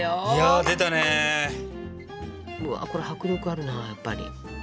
うわこれ迫力あるなやっぱり。